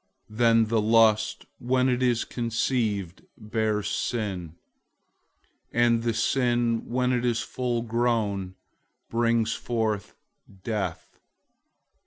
001:015 Then the lust, when it has conceived, bears sin; and the sin, when it is full grown, brings forth death.